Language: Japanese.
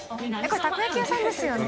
これたこ焼き屋さんですよね？